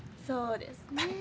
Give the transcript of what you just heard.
そうですね。